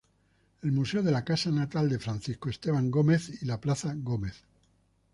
El museo de la casa natal de Francisco Esteban Gómez y la plaza Gómez.